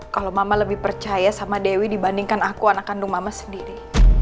kalau mama lebih percaya sama dewi dibandingkan aku anak kandung mama sendiri